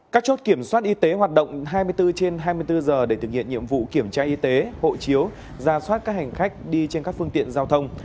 các chốt kiểm soát y tế hoạt động hai mươi bốn trên hai mươi bốn giờ để thực hiện nhiệm vụ kiểm tra y tế hộ chiếu ra soát các hành khách đi trên các phương tiện giao thông